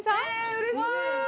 うれしい！